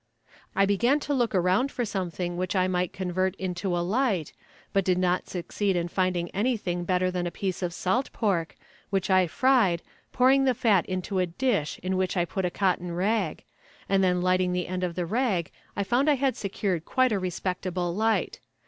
I began to look around for something which I might convert into a light, but did not succeed in finding anything better than a piece of salt pork, which I fried, pouring the fat into a dish in which I put a cotton rag, and then lighting the end of the rag I found I had secured quite a respectable light.